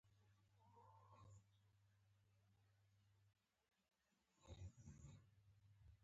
په دې سفر او د مقدسو اماکنو په لیدلو خوشحاله ښکاري.